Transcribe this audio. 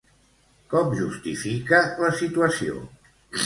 Com justifica la situació?